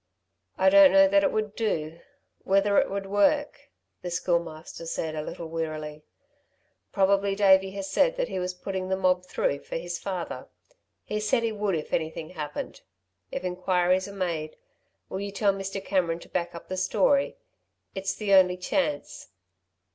"I don't know that it would do ... whether it would work," the Schoolmaster said a little wearily. "Probably Davey has said that he was putting the mob through for his father. He said he would if anything happened. If inquiries are made, will you tell Mr. Cameron to back up the story ... it's the only chance.